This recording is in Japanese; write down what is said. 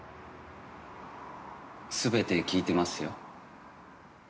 全て聞いてますよ。